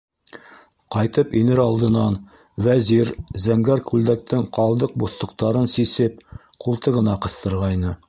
Ҡайтып инер алдынан Вәзир зәңгәр күлдәктең ҡалдыҡ-боҫтоҡтарын сисеп ҡултығына ҡыҫтырғайны.